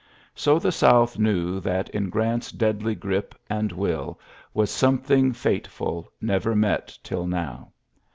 ' p! So the South knew that in Orant^s T deadly grip and will was something &te c< fed, never met till now.